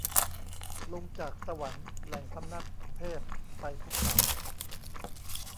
ลงจากสวรรค์ แหล่งพำนักเทพ ไปภูเขา